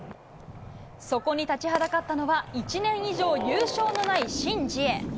そこに立ちはだかったのは、１年以上、優勝のない申ジエ。